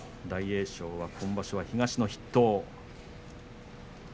大栄翔は今場所、東の筆頭。